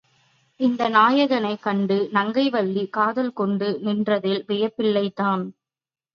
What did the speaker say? இந்த நாயகனைக் கண்டு நங்கை வள்ளி காதல் கொண்டு நின்றதில் வியப்பில்லைதான்!